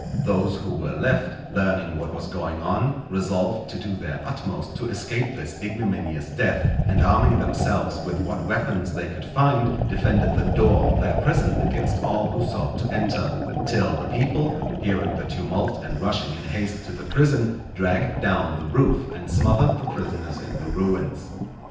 Those who were left, learning what was going on, resolved to do their utmost to escape this ignominious death, and arming themselves with what weapons they could find, defended the door of their prison against all who sought to enter; till the people, hearing the tumult and rushing in haste to the prison, dragged down the roof, and smothered the prisoners in the ruins.